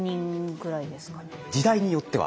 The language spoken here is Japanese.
時代によっては。